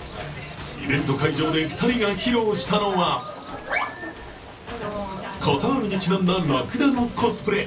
イベント会場で２人が披露したのはカタールにちなんだラクダのコスプレ。